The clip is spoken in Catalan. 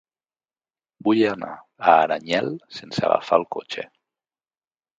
Vull anar a Aranyel sense agafar el cotxe.